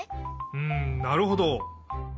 うんなるほど！